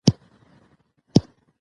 د ماشوم د لوبو سامان باید پاک وي۔